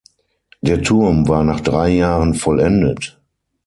Der Turm war nach drei Jahren vollendet.